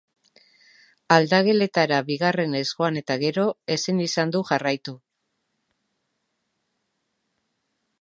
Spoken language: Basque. Aldageletara bigarrenez joan eta gero, ezin izan du jarraitu.